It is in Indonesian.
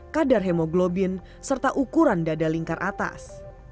kadar hemoglobin serta ukuran dada lingkar atas